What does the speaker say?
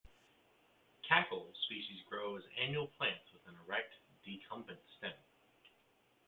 "Cakile" species grow as annual plants with an erect or decumbent stem.